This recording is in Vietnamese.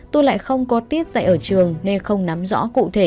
tôi lại không có tiết dạy ở trường nên không nắm rõ